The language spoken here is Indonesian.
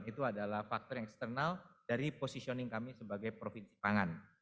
itu adalah faktor eksternal dari positioning kami sebagai provinsi pangan